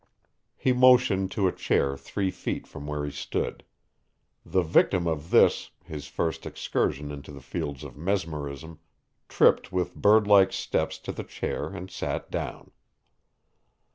He motioned to a chair three feet from where he stood. The victim of this, his first excursion into the fields of mesmerism, tripped with bird like steps to the chair and sat down.